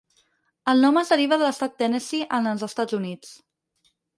El nom es deriva de l'estat Tennessee en els Estats Units.